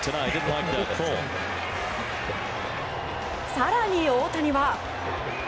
更に大谷は。